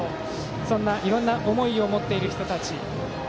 そんな、いろいろな思いを持っている人たち。